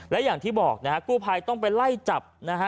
และอย่างที่บอกนะฮะกู้ภัยต้องไปไล่จับนะฮะ